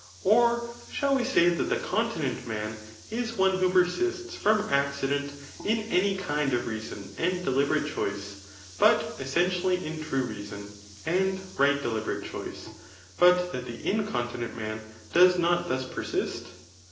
Or shall we say that the continent man is one who persists from accident in any kind of reason and deliberate choice, but essentially in true reason, and right deliberate choice, but that the incontinent man does not thus persist